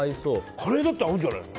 カレー粉だって合うんじゃないの？